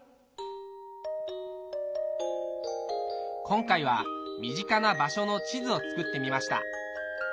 今回は身近な場所の地図を作ってみました。